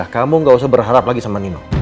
kamu gak usah berharap lagi sama nino